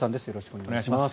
お願いします。